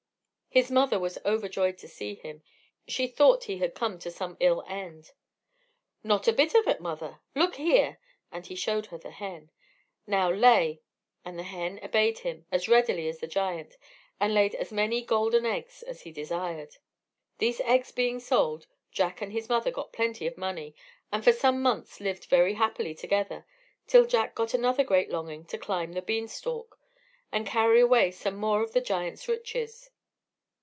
His mother was overjoyed to see him. She thought he had come to some ill end. "Not a bit of it, mother. Look here!" and he showed her the hen. "Now lay;" and the hen obeyed him as readily as the giant, and laid as many golden eggs as he desired. These eggs being sold, Jack and his mother got plenty of money, and for some months lived very happily together; till Jack got another great longing to climb the bean stalk, and carry away some more of the giant's riches.